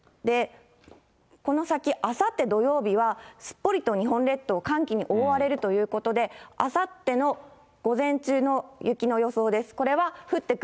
この先、あさって土曜日は、すっぽりと日本列島、寒気に覆われるということで、あさっての午前中の雪の予想です。